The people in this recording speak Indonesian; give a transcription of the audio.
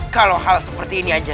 kalau hal seperti ini aja